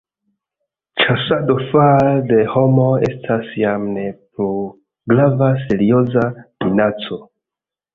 Ĉasado fare de homoj estas jam ne plu grava serioza minaco.